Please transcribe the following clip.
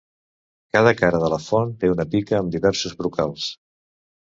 Cada cara de la font té una pica amb diversos brocals.